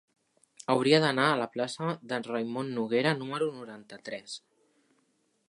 Hauria d'anar a la plaça de Raimon Noguera número noranta-tres.